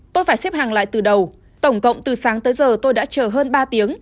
tôi phải xếp hàng lại từ đầu tổng cộng từ sáng tới giờ tôi đã chờ hơn ba tiếng